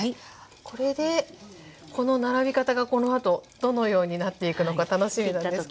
これでこの並び方がこのあとどのようになっていくのか楽しみなんですけども。